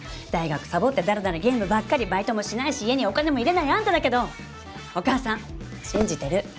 大学サボってだらだらゲームばっかりバイトもしないし家にお金も入れないあんただけどお母さん信じてる。